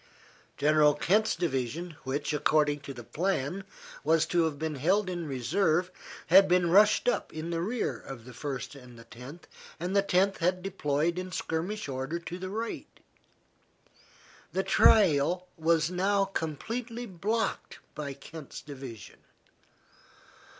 General Kent's division, which, according to the plan, was to have been held in reserve, had been rushed up in the rear of the First and Tenth, and the Tenth had deployed in skirmish order to the right. The trail was now completely blocked by Kent's division.